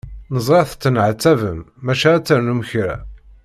Neẓra tettenɛettabem maca ad ternum kra.